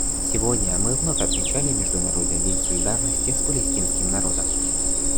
Сегодня мы вновь отмечали Международный день солидарности с палестинским народом.